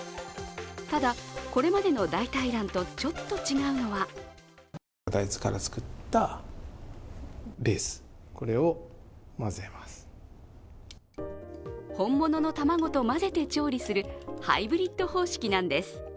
ただ、これまでの代替卵とちょっと違うのは本物の卵と混ぜて調理するハイブリッド方式なんです。